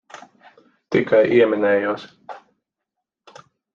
Tikai ieminējos.